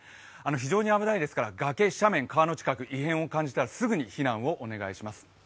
非常に危ないですから、崖、斜面川の近く、異変を感じたらすぐに避難をお願いします。